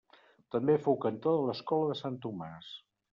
També fou cantor de l'Escola de Sant Tomàs.